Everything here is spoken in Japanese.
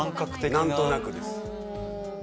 何となくです。